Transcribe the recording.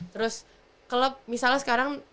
terus klub misalnya sekarang